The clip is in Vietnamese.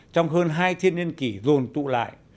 trong hơn hai thiên nhiên kỷ dồn tụ lại